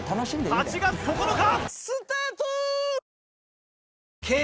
８月９日！